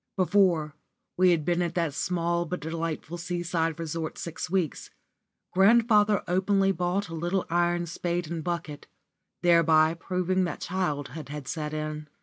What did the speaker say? Before we had been at that small but delightful sea side resort six weeks, grandfather openly bought a little iron spade and bucket, thereby proving that childhood had set in.